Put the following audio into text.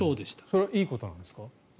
それはいいことなんですか？